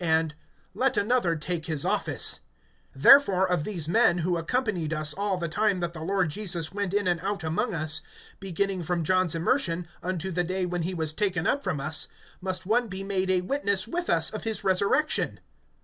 And: Let another take his office[1:20]. (21)Therefore, of these men, who accompanied us all the time that the Lord Jesus went in and out among us, (22)beginning from John's immersion, unto the day when he was taken up from us, must one be made a witness with us of his resurrection.